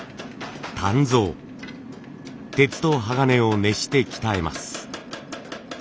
鉄と鋼を熱して鍛えます。